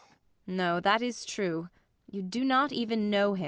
No, that is true. You do not even know him.